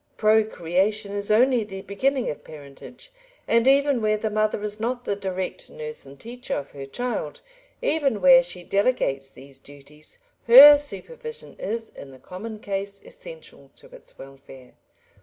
Procreation is only the beginning of parentage, and even where the mother is not the direct nurse and teacher of her child, even where she delegates these duties, her supervision is, in the common case, essential to its welfare.